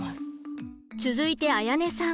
続いてあやねさん。